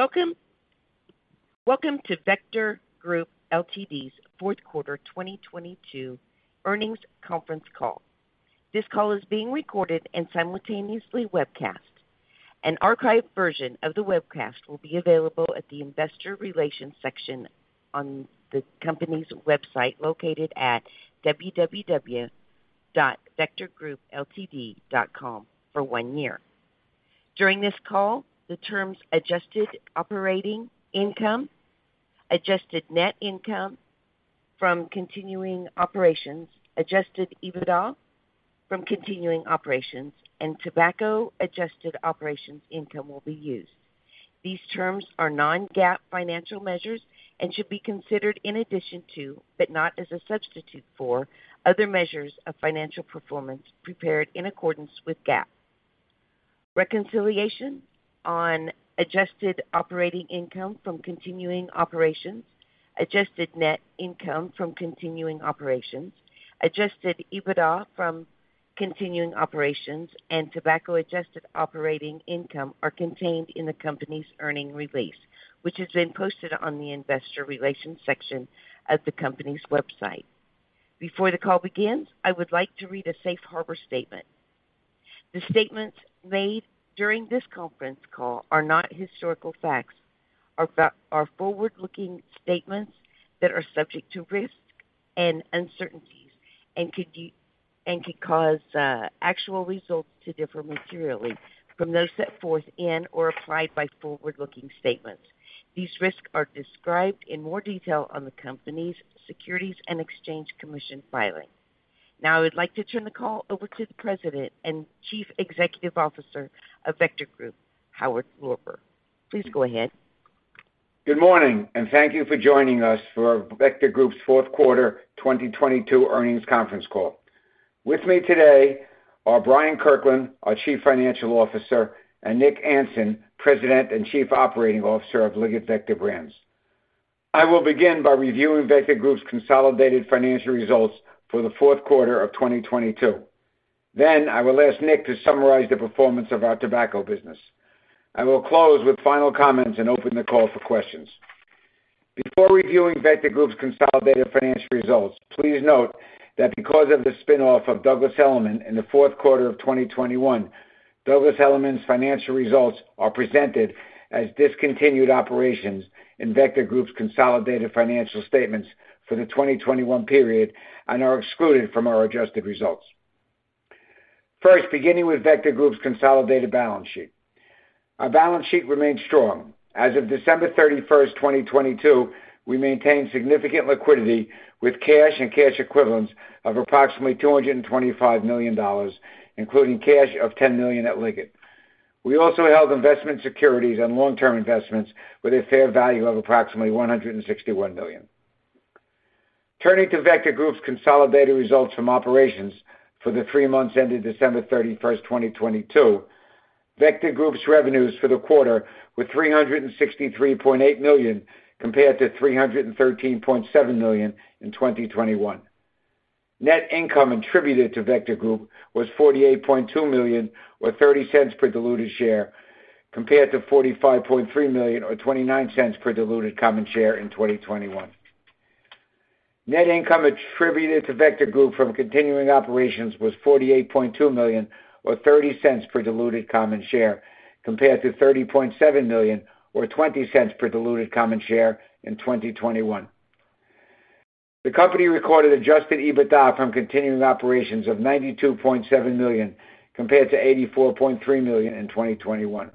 Welcome, welcome to Vector Group Ltd.'s Q4 2022 earnings conference call. This call is being recorded and simultaneously webcast. An archived version of the webcast will be available at the investor relations section on the company's website, located at www.vectorgroupltd.com for one year. During this call, the terms adjusted operating income, adjusted net income from continuing operations, adjusted EBITDA from continuing operations, and tobacco-adjusted operat income will be used. These terms are non-GAAP financial measures and should be considered in addition to, but not as a substitute for, other measures of financial performance prepared in accordance with GAAP. Reconciliation on adjusted operating income from continuing operations, adjusted net income from continuing operations, adjusted EBITDA from continuing operations, and tobacco-adjusted operating income are contained in the company's earnings release, which has been posted on the investor relations section of the company's website. Before the call begins, I would like to read a safe harbor statement. The statements made during this conference call are not historical facts, are forward-looking statements that are subject to risks and uncertainties, and could cause actual results to differ materially from those set forth in or applied by forward-looking statements. These risks are described in more detail on the company's Securities and Exchange Commission filing. I would like to turn the call over to the President and Chief Executive Officer of Vector Group, Howard Lorber. Please go ahead. Good morning, and thank you for joining us for Vector Group's Q4 2022 earnings conference call. With me today are Brian Kirkland, our Chief Financial Officer, and Nick Anson, President and Chief Operating Officer of Liggett Vector Brands. I will begin by reviewing Vector Group's consolidated financial results for the Q4 of 2022. I will ask Nick to summarize the performance of our tobacco business. I will close with final comments and open the call for questions. Before reviewing Vector Group's consolidated financial results, please note that because of the spin-off of Douglas Elliman in the Q4 of 2021, Douglas Elliman's financial results are presented as discontinued operations in Vector Group's consolidated financial statements for the 2021 period and are excluded from our adjusted results. First, beginning with Vector Group's consolidated balance sheet. Our balance sheet remained strong. As of December 31st, 2022, we maintained significant liquidity with cash and cash equivalents of approximately $225 million, including cash of $10 million at Liggett. We also held investment securities and long-term investments with a fair value of approximately $161 million. Turning to Vector Group's consolidated results from operations for the 3 months ending December 31st, 2022. Vector Group's revenues for the quarter were $363.8 million compared to $313.7 million in 2021. Net income attributed to Vector Group was $48.2 million, or $0.30 per diluted share, compared to $45.3 million or $0.29 per diluted common share in 2021. Net income attributed to Vector Group from continuing operations was $48.2 million or $0.30 per diluted common share, compared to $30.7 million or $0.20 per diluted common share in 2021. The company recorded adjusted EBITDA from continuing operations of $92.7 million, compared to $84.3 million in 2021.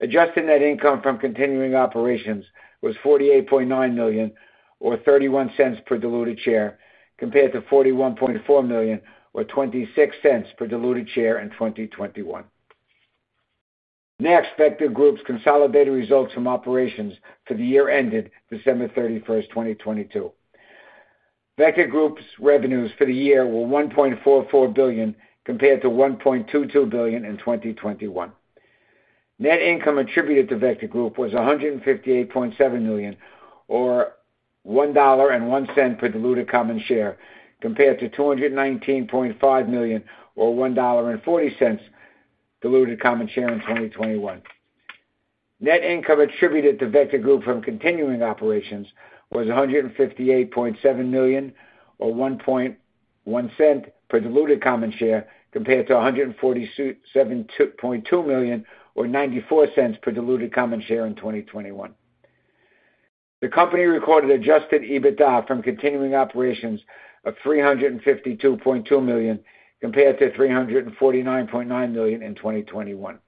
Adjusted net income from continuing operations was $48.9 million or $0.31 per diluted share, compared to $41.4 million or $0.26 per diluted share in 2021. Vector Group's consolidated results from operations for the year ended December 31st, 2022. Vector Group's revenues for the year were $1.44 billion, compared to $1.22 billion in 2021. Net income attributed to Vector Group was $158.7 million or $1.01 per diluted common share, compared to $219.5 million or $1.40 diluted common share in 2021. Net income attributed to Vector Group from continuing operations was $158.7 million or $0.011 per diluted common share, compared to $147.2 million or $0.94 per diluted common share in 2021. The company recorded adjusted EBITDA from continuing operations of $352.2 million, compared to $349.9 million in 2021.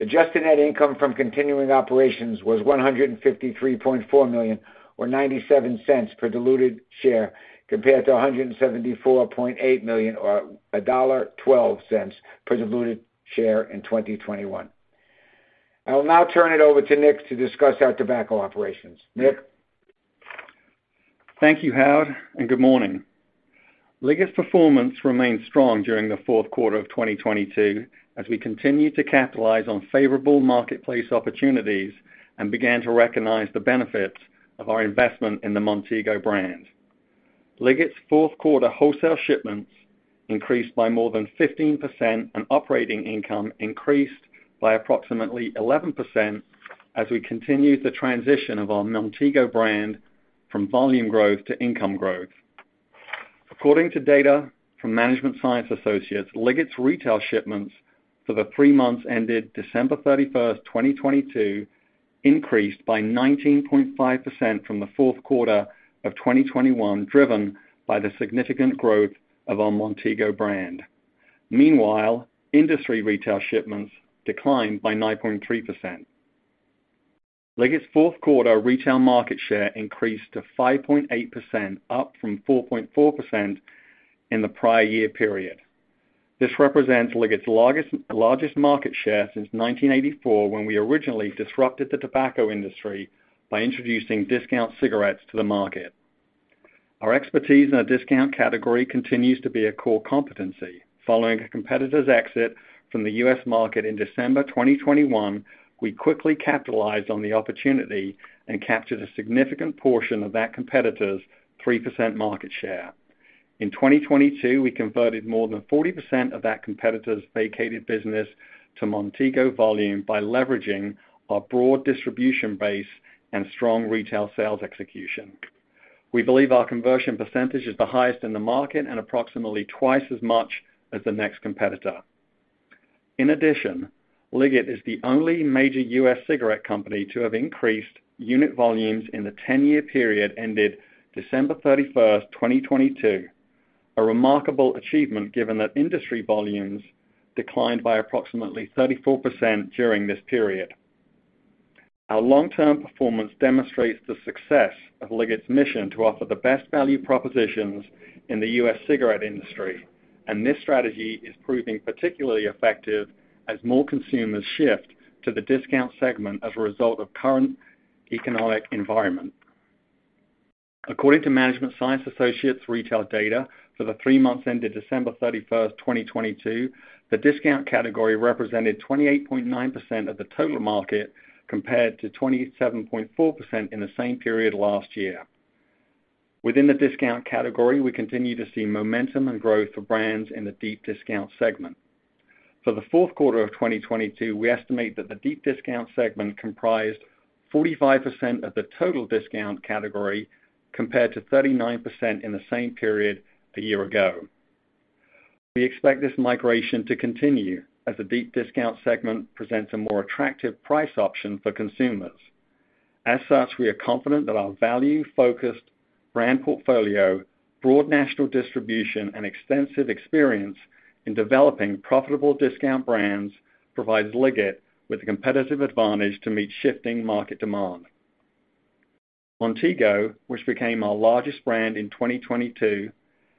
Adjusted net income from continuing operations was $153.4 million or $0.97 per diluted share, compared to $174.8 million or $1.12 per diluted share in 2021. I will now turn it over to Nick to discuss our tobacco operations. Nick? Thank you, Howard. Good morning. Liggett's performance remained strong during the Q4 of 2022 as we continued to capitalize on favorable marketplace opportunities and began to recognize the benefits of our investment in the Montego brand. Liggett' Q4 wholesale shipments increased by more than 15%, operating income increased by approximately 11% as we continue the transition of our Montego brand from volume growth to income growth. According to data from Management Science Associates, Liggett's retail shipments for the 3 months ended December 31, 2022, increased by 19.5% from the Q4of 2021, driven by the significant growth of our Montego brand. Industry retail shipments declined by 9.3%. Liggett's Q4 retail market share increased to 5.8%, up from 4.4% in the prior year period. This represents Liggett's largest market share since 1984, when we originally disrupted the tobacco industry by introducing discount cigarettes to the market. Our expertise in our discount category continues to be a core competency. Following a competitor's exit from the U.S. market in December 2021, we quickly capitalized on the opportunity and captured a significant portion of that competitor's 3% market share. In 2022, we converted more than 40% of that competitor's vacated business to Montego volume by leveraging our broad distribution base and strong retail sales execution. We believe our conversion % is the highest in the market and approximately twice as much as the next competitor. In addition, Liggett is the only major U.S. cigarette company to have increased unit volumes in the 10-year period ended December 31, 2022, a remarkable achievement given that industry volumes declined by approximately 34% during this period. Our long-term performance demonstrates the success of Liggett's mission to offer the best value propositions in the U.S. cigarette industry, this strategy is proving particularly effective as more consumers shift to the discount segment as a result of current economic environment. According to Management Science Associates retail data for the three months ended December 31st, 2022, the discount category represented 28.9% of the total market, compared to 27.4% in the same period last year. Within the discount category, we continue to see momentum and growth for brands in the deep discount segment. For the Q4 of 2022, we estimate that the deep discount segment comprised 45% of the total discount category, compared to 39% in the same period a year ago. We expect this migration to continue as the deep discount segment presents a more attractive price option for consumers. We are confident that our value-focused brand portfolio, broad national distribution, and extensive experience in developing profitable discount brands provides Liggett with a competitive advantage to meet shifting market demand. Montego, which became our largest brand in 2022,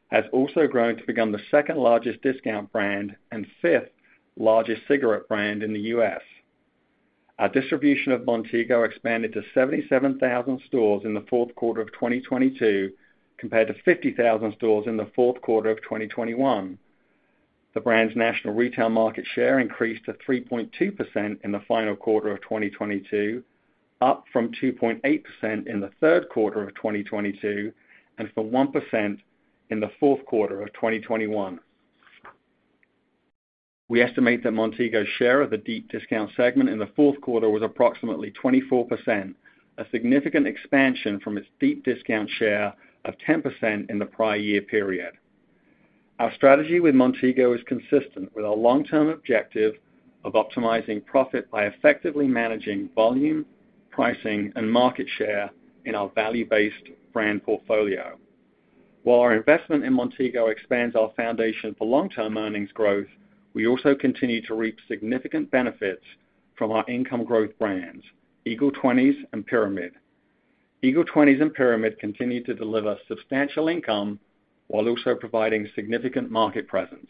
has also grown to become the second-largest discount brand and fifth-largest cigarette brand in the U.S. Our distribution of Montego expanded to 77,000 stores in the Q4 of 2022, compared to 50,000 stores in the Q4 of 2021. The brand's national retail market share increased to 3.2% in the final quarter of 2022, up from 2.8% in the Q3 of 2022 and from 1% in the Q4 of 2021. We estimate that Montego's share of the deep discount segment in the Q4 was approximately 24%, a significant expansion from its deep discount share of 10% in the prior-year period. Our strategy with Montego is consistent with our long-term objective of optimizing profit by effectively managing volume, pricing, and market share in our value-based brand portfolio. While our investment in Montego expands our foundation for long-term earnings growth, we also continue to reap significant benefits from our income growth brands, Eagle 20's and Pyramid. Eagle 20's and Pyramid continue to deliver substantial income while also providing significant market presence.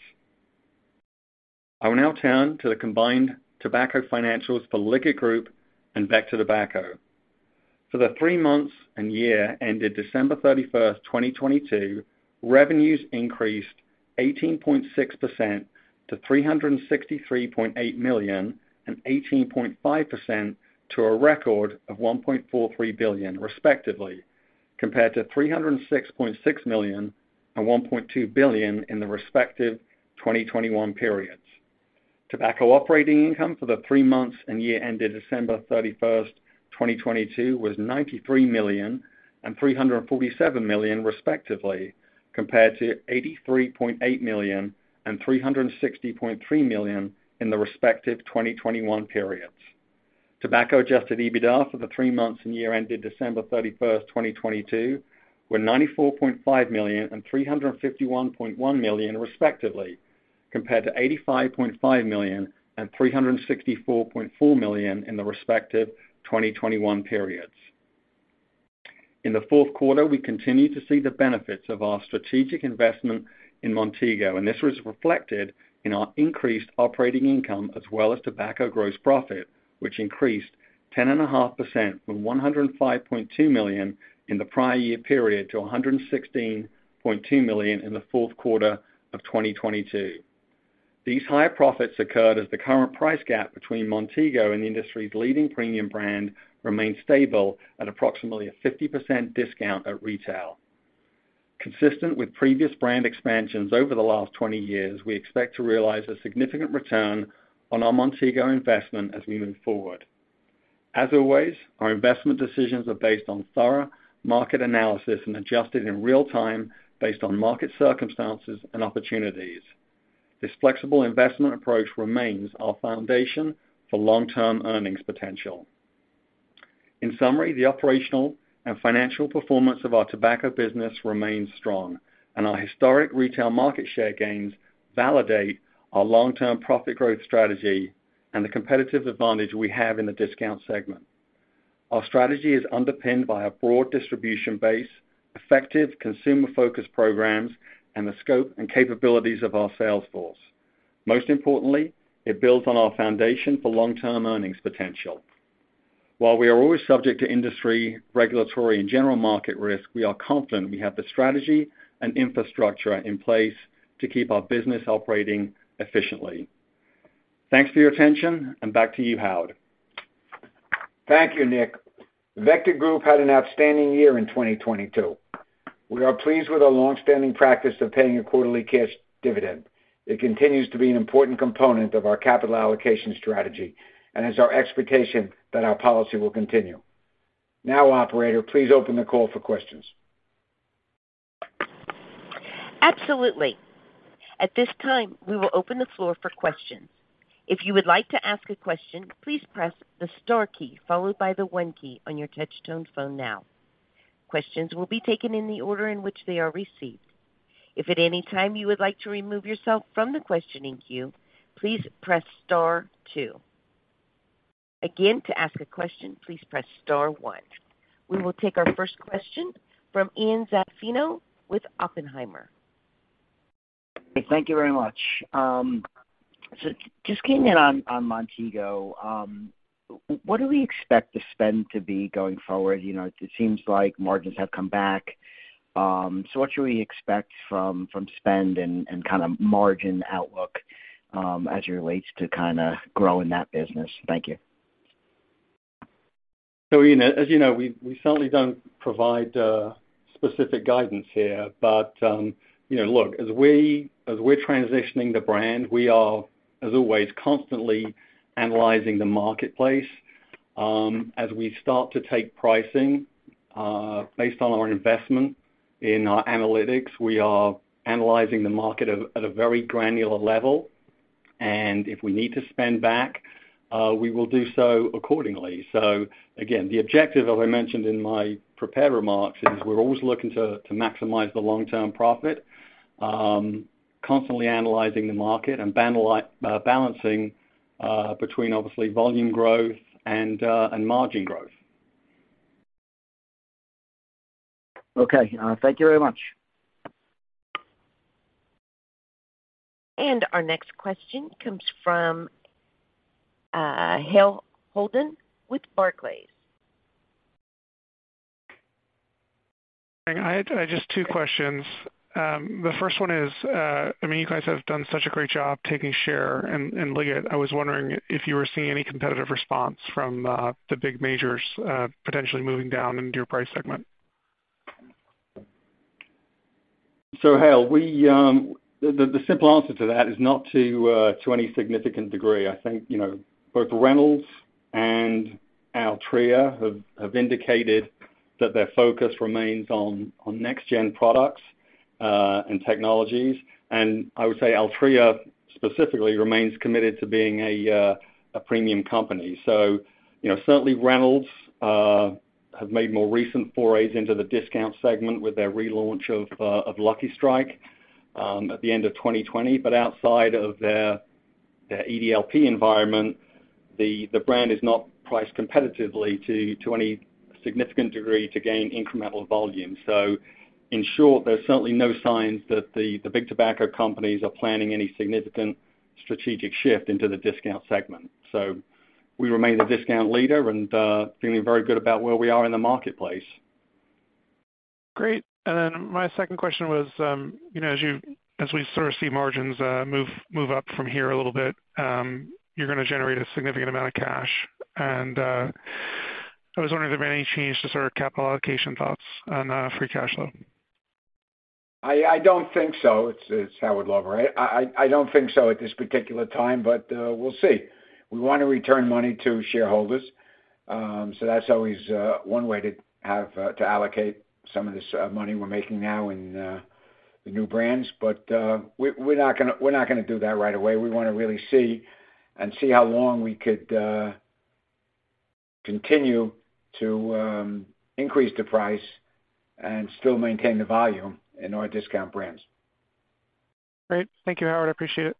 I will now turn to the combined tobacco financials for Liggett Group and Vector Tobacco. For the 3 months and year ended December 31, 2022, revenues increased 18.6% to $363.8 million, and 18.5% to a record of $1.43 billion respectively, compared to $306.6 million and $1.2 billion in the respective 2021 periods. Tobacco operating income for the 3 months and year ended December 31, 2022 was $93 million and $347 million respectively, compared to $83.8 million and $360.3 million in the respective 2021 periods. Tobacco-adjusted EBITDA for the three months and year ended December 31, 2022 were $94.5 million and $351.1 million respectively, compared to $85.5 million and $364.4 million in the respective 2021 periods. In the Q4, we continued to see the benefits of our strategic investment in Montego, and this was reflected in our increased operating income as well as tobacco gross profit, which increased 10.5% from $105.2 million in the prior year period to $116.2 million in the Q4 of 2022. These higher profits occurred as the current price gap between Montego and the industry's leading premium brand remained stable at approximately a 50% discount at retail. Consistent with previous brand expansions over the last 20 years, we expect to realize a significant return on our Montego investment as we move forward. As always, our investment decisions are based on thorough market analysis and adjusted in real-time based on market circumstances and opportunities. This flexible investment approach remains our foundation for long-term earnings potential. In summary, the operational and financial performance of our tobacco business remains strong, and our historic retail market share gains validate our long-term profit growth strategy and the competitive advantage we have in the discount segment. Our strategy is underpinned by a broad distribution base, effective consumer focus programs, and the scope and capabilities of our sales force. Most importantly, it builds on our foundation for long-term earnings potential. While we are always subject to industry, regulatory, and general market risk, we are confident we have the strategy and infrastructure in place to keep our business operating efficiently. Thanks for your attention. Back to you, Howard. Thank you, Nick. Vector Group had an outstanding year in 2022. We are pleased with our long-standing practice of paying a quarterly cash dividend. It continues to be an important component of our capital allocation strategy and is our expectation that our policy will continue. Now, operator, please open the call for questions. Absolutely. At this time, we will open the floor for questions. If you would like to ask a question, please press the star key followed by the one key on your touch tone phone now. Questions will be taken in the order in which they are received. If at any time you would like to remove yourself from the questioning queue, please press star two. Again, to ask a question, please press star one. We will take our first question from Ian Zaffino with Oppenheimer. Thank you very much. Just keying in on Montego, what do we expect the spend to be going forward? You know, it seems like margins have come back. What should we expect from spend and kinda margin outlook, as it relates to kinda growing that business? Thank you. Ian, as you know, we certainly don't provide specific guidance here. You know, look, as we're transitioning the brand, we are, as always, constantly analyzing the marketplace. As we start to take pricing, based on our investment in our analytics, we are analyzing the market at a very granular level. If we need to spend back, we will do so accordingly. Again, the objective, as I mentioned in my prepared remarks, is we're always looking to maximize the long-term profit, constantly analyzing the market and balancing between obviously volume growth and margin growth. Okay. Thank you very much. Our next question comes from Hale Holden with Barclays. I had just 2 questions. The first one is, I mean, you guys have done such a great job taking share in Liggett. I was wondering if you were seeing any competitive response from the big majors, potentially moving down into your price segment. Hale. The simple answer to that is not to any significant degree. I think, you know, both Reynolds and Altria have indicated that their focus remains on next-gen products and technologies. I would say Altria specifically remains committed to being a premium company. You know, certainly Reynolds have made more recent forays into the discount segment with their relaunch of Lucky Strike at the end of 2020. Outside of their EDLP environment, the brand is not priced competitively to any significant degree to gain incremental volume. In short, there's certainly no signs that the big tobacco companies are planning any significant strategic shift into the discount segment. We remain the discount leader and feeling very good about where we are in the marketplace. Great. My second question was, you know, as we sort of see margins, move up from here a little bit, you're gonna generate a significant amount of cash. I was wondering if there were any change to sort of capital allocation thoughts on free cash flow. I don't think so. It's Howard Lorber. I don't think so at this particular time, but we'll see. We wanna return money to shareholders. That's always one way to have to allocate some of this money we're making now in the new brands. We're not gonna do that right away. We wanna really see how long we could continue to increase the price and still maintain the volume in our discount brands. Great. Thank you, Howard. I appreciate it.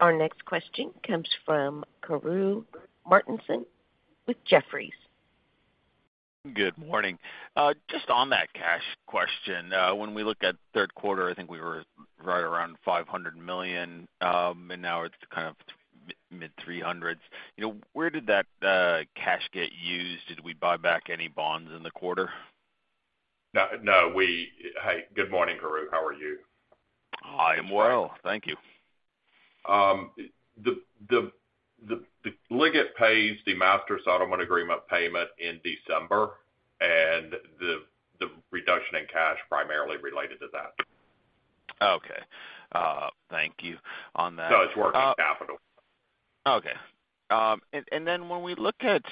Our next question comes from Karru Martinson with Jefferies. Good morning. Just on that cash question. When we look at Q3, I think we were right around $500 million, and now it's kind of twoMid $300. You know, where did that cash get used? Did we buy back any bonds in the quarter? Hey, good morning, Karru. How are you? I am well, thank you. The Liggett pays the Master Settlement Agreement payment in December and the reduction in cash primarily related to that. Okay. Thank you on that. It's working capital. Okay. When we look at,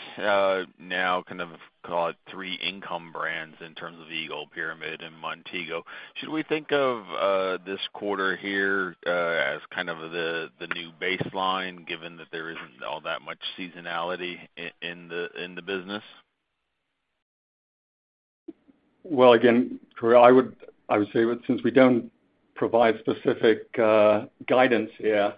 now kind of call it three income brands in terms of Eagle, Pyramid and Montego, should we think of, this quarter here, as kind of the new baseline, given that there isn't all that much seasonality in the business? Well, again, Karru, I would say that since we don't provide specific guidance here,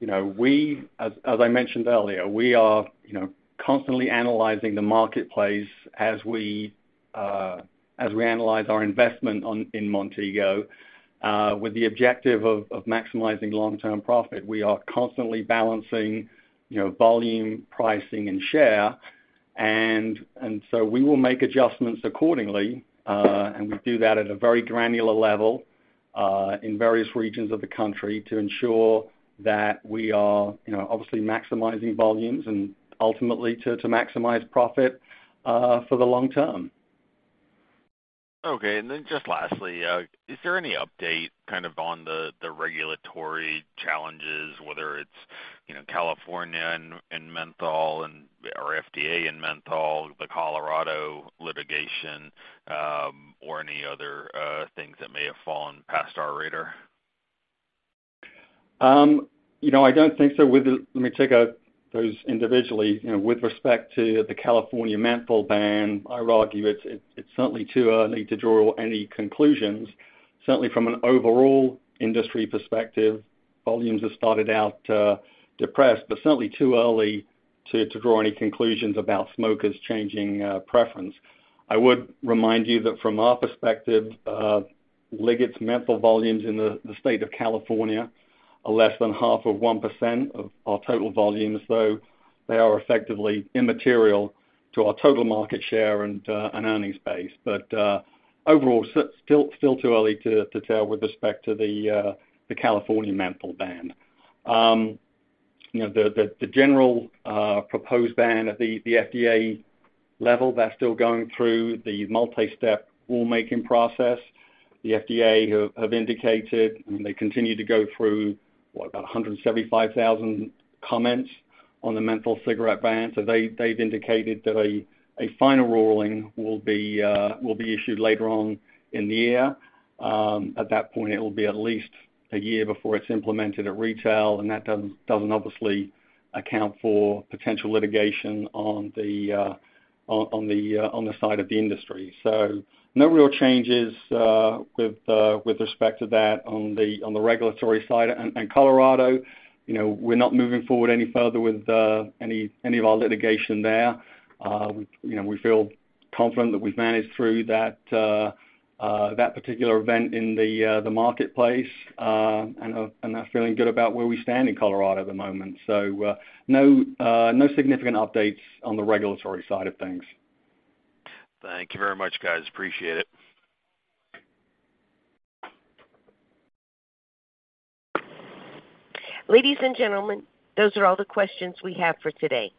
you know, we as I mentioned earlier, we are, you know, constantly analyzing the marketplace as we analyze our investment in Montego, with the objective of maximizing long-term profit. We are constantly balancing, you know, volume, pricing and share. We will make adjustments accordingly. We do that at a very granular level in various regions of the country to ensure that we are, you know, obviously maximizing volumes and ultimately to maximize profit for the long term. Okay. Just lastly, is there any update kind of on the regulatory challenges, whether it's, you know, California and menthol or FDA and menthol, the Colorado litigation, or any other things that may have fallen past our radar? You know, I don't think so. Let me take out those individually. You know, with respect to the California Proposition 31, I would argue it's certainly too early to draw any conclusions. Certainly from an overall industry perspective, volumes have started out depressed, but certainly too early to draw any conclusions about smokers changing preference. I would remind you that from our perspective, Liggett's menthol volumes in the state of California are less than half of 1% of our total volumes, though they are effectively immaterial to our total market share and earnings base. Overall still too early to tell with respect to the California Proposition 31. You know, the general proposed ban at the FDA level, they're still going through the multi-step rulemaking process. The FDA have indicated they continue to go through about 175,000 comments on the menthol cigarette ban. They've indicated that a final ruling will be issued later on in the year. At that point, it will be at least a year before it's implemented at retail, that doesn't obviously account for potential litigation on the side of the industry. No real changes with respect to that on the regulatory side. Colorado, you know, we're not moving forward any further with any of our litigation there. We, you know, we feel confident that we've managed through that particular event in the marketplace, and are feeling good about where we stand in Colorado at the moment. No significant updates on the regulatory side of things. Thank you very much, guys. Appreciate it. Ladies and gentlemen, those are all the questions we have for today.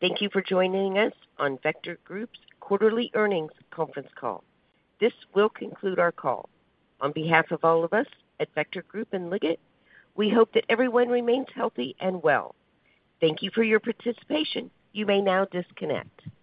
Thank you for joining us on Vector Group's quarterly earnings conference call. This will conclude our call. On behalf of all of us at Vector Group and Liggett, we hope that everyone remains healthy and well. Thank you for your participation. You may now disconnect.